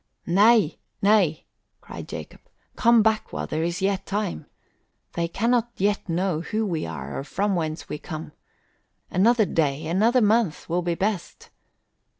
"Nay, nay!" cried Jacob. "Come back while there is yet time! They cannot yet know who we are or from whence we come. Another day, another month, will be best!"